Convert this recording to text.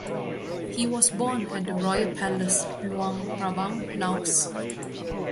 He was born at the Royal Palace, Luang Prabang, Laos.